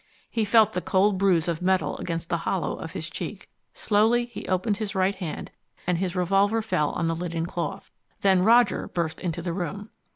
He felt the cold bruise of metal against the hollow of his cheek. Slowly he opened his right hand and his revolver fell on the linen cloth. Then Roger burst into the room.